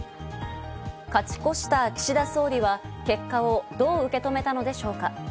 勝ち越した岸田総理は、結果をどう受け止めたのでしょうか。